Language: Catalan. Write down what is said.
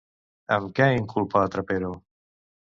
Amb què inculpa a Trapero?